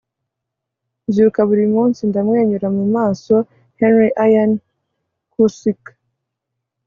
mbyuka buri munsi ndamwenyura mu maso. - henry ian cusick